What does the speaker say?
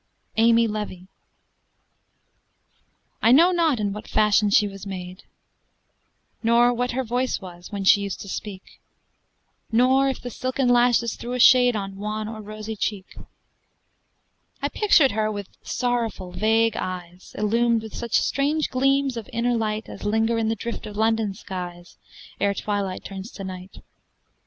AMY LEVY. I know not in what fashion she was made, Nor what her voice was, when she used to speak, Nor if the silken lashes threw a shade On wan or rosy cheek. I picture her with sorrowful vague eyes, Illumed with such strange gleams of inner light As linger in the drift of London skies Ere twilight turns to night.